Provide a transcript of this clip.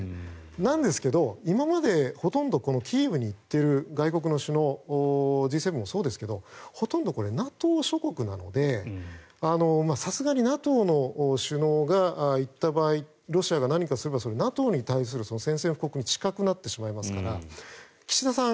なんですけど、今までほとんどキーウに行っている外国の首脳Ｇ７もそうですけどほとんどＮＡＴＯ諸国なのでさすがにＮＡＴＯの首脳が行った場合ロシアが何かすればＮＡＴＯに対する宣戦布告に近くなってしまいますから岸田さん